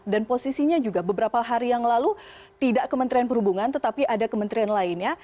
dan posisinya juga beberapa hari yang lalu tidak kementerian perhubungan tetapi ada kementerian lainnya